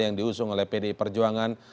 yang diusung oleh pdi perjuangan